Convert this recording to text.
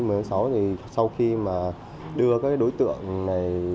mùng một mươi sáu sau khi đưa đối tượng này